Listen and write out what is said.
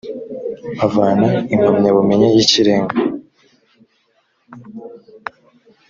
mpavana impamyabumenyi y’ikirenga